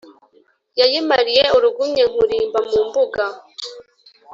yayimariye urugumye nkurimba-mu-mbuga